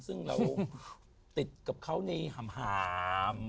ซึ่งเราติดกับเขาในหาม